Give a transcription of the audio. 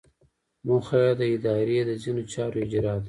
موخه یې د ادارې د ځینو چارو اجرا ده.